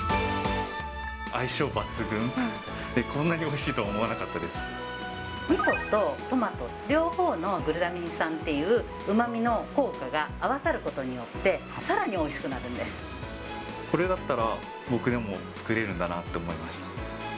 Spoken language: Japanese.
相性抜群で、こんなにおいしみそとトマト、両方のグルタミン酸っていううまみの効果が合わさることによって、これだったら、僕でも作れるんだなって思いました。